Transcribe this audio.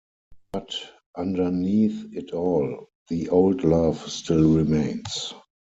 But underneath it all the old love still remains.